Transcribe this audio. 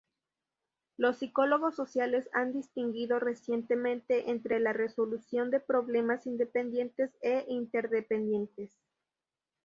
Los psicólogos sociales han distinguido recientemente entre la resolución de problemas independientes e interdependientes.